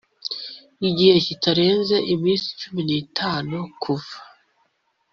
gihe kitarenze iminsi cumi n itanu kuva